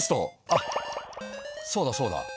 あっそうだそうだ。